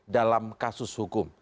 dalam kasus hukum